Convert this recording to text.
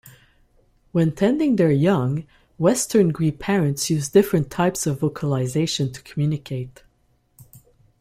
When tending their young, Western grebe parents use different types of vocalization to communicate.